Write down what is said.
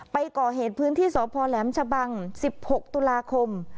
ไปก่อเหตุพื้นที่สพแหลมชะบัง๑๖ตุลาคม